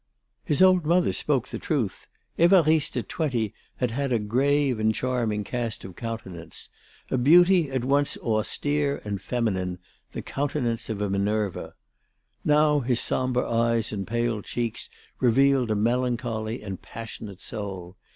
His old mother spoke the truth. Évariste at twenty had had a grave and charming cast of countenance, a beauty at once austere and feminine, the countenance of a Minerva. Now his sombre eyes and pale cheeks revealed a melancholy and passionate soul.